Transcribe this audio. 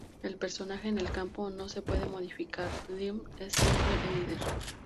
El personaje en el campo no se puede modificar; Dean es siempre el líder.